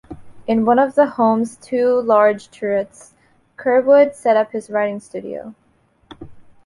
In one of the homes' two large turrets, Curwood set up his writing studio.